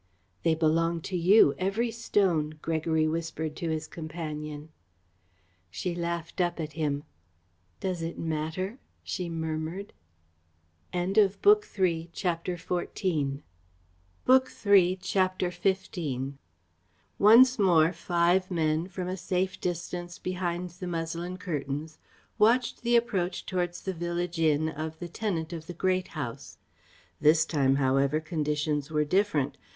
"They belong to you, every stone," Gregory whispered to his companion. She laughed up at him. "Does it matter?" she murmured. CHAPTER XV Once more five men, from a safe distance behind the muslin curtains, watched the approach towards the village inn of the tenant of the Great House. This time, however, conditions were different.